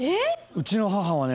うちの母はね